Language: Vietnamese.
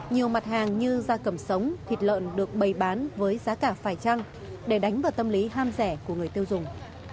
nhiều mặt hàng như da cầm sống thịt lợn được bày bán với giá cả phải trăng để đánh vào tâm lý ham rẻ của người tiêu dùng